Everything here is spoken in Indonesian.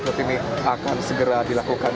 seperti ini akan segera dilakukan